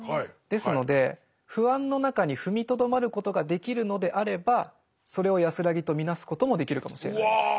ですので不安の中に踏みとどまることができるのであればそれを安らぎと見なすこともできるかもしれないです。